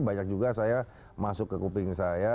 banyak juga saya masuk ke kuping saya